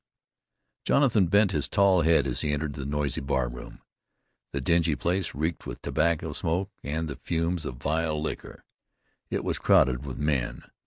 Jonathan bent his tall head as he entered the noisy bar room. The dingy place reeked with tobacco smoke and the fumes of vile liquor. It was crowded with men.